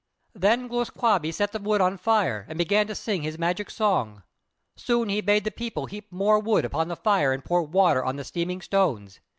Then Glūs kābé set the wood on fire and began to sing his magic song; soon he bade the people heap more wood upon the fire, and pour water on the steaming stones.